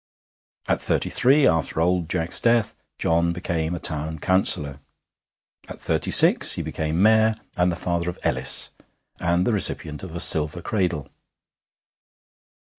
At thirty three, after old Jack's death, John became a Town Councillor. At thirty six he became Mayor and the father of Ellis, and the recipient of a silver cradle.